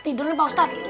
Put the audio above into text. tidur nih pak ustadz